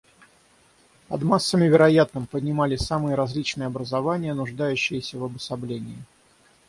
Под массами, вероятно, понимали самые различные образования, нуждающиеся в обособлении.